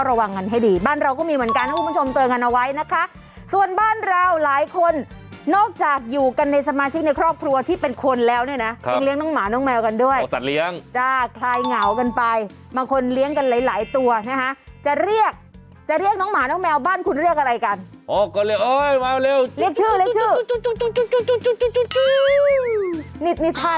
ส่วนผู้พิการที่มีอายุต่ำกว่า๑๘ปีโอนเงินเข้าบัญชีธนาคาร๑๐๐๐บาทต่อเดือนก็คือจากเดิมเนี่ย๘๐๐บาท